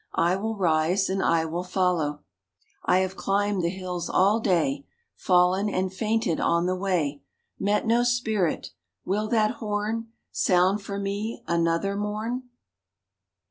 I will rise, and I will follow !" I have climbed the hills all day, Fallen and fainted on the way — Met no spirit. Will that horn Sound for me another morn